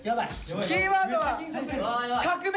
キーワードは「革命」！